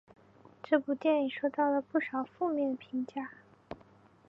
这部电影收到了不少的负面评价。